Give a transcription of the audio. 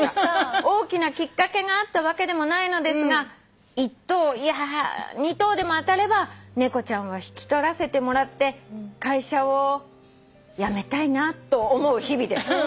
「大きなきっかけがあったわけでもないのですが１等いや２等でも当たれば猫ちゃんは引き取らせてもらって会社を辞めたいなと思う日々です」